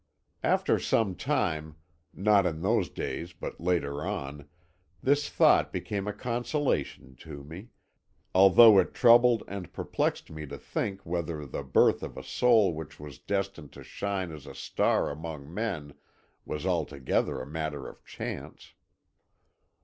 "After some time not in those days, but later on this thought became a consolation to me, although it troubled and perplexed me to think whether the birth of a soul which was destined to shine as a star among men was altogether a matter of chance.